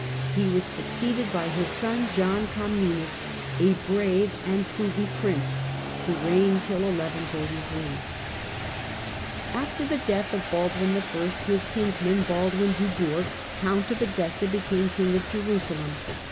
He was succeeded by his son, John Comnenus, a brave and prudent prince, who reigned till 1143. Baldwin After the death of Baldwin I. his kinsman Baldwin du JerSfm^ Bourg, Count of Edessa, became King of Jerusalem.